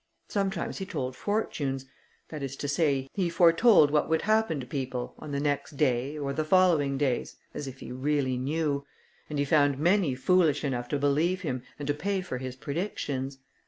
Sometimes he told fortunes, that is to say, he foretold what would happen to people, on the next day, or the following days, as if he really knew, and he found many foolish enough to believe him and to pay for his predictions.